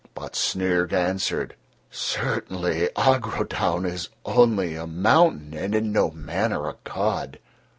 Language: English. But Snyrg answered: "Certainly Agrodaun is only a mountain, and in no manner a god."